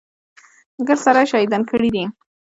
ګرد سره يې شهيدان کړي دي.